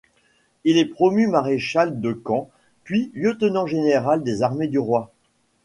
Il est promu maréchal de camp, puis lieutenant général des armées du roi.